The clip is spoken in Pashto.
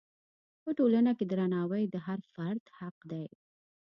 په ټولنه کې درناوی د هر فرد حق دی.